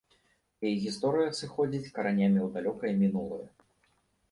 Яе гісторыя сыходзіць каранямі ў далёкае мінулае.